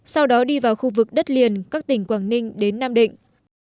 sau đó đi vào khu vực đất liền các tỉnh quảng ninh đến nam định